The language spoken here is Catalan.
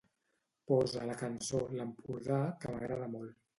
Posa la cançó "L'Empordà", que m'agrada molt